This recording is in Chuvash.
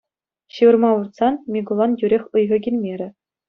Ҫывӑрма выртсан, Микулан тӳрех ыйхӑ килмерӗ.